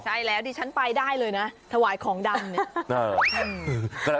ใช่แล้วดิฉันไปได้เลยนะถวายของดำเนี่ย